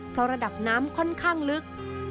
เพราะระดับน้ำค่อนข้างลึก